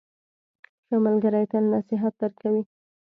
ښه ملګری تل نصیحت درکوي.